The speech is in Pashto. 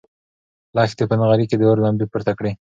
لښتې په نغري کې د اور لمبې پورته کړې.